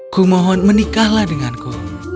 kumohon menikahlah denganku